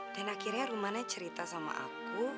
dan akhirnya rumana cerita sama aku